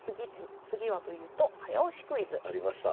次はというとありました。